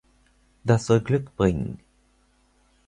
Das soll Glück bringen.